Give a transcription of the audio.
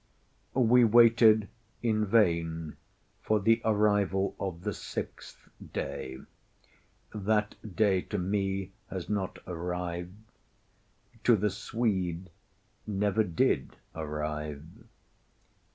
We waited in vain for the arrival of the sixth day—that day to me has not yet arrived—to the Swede, never did arrive.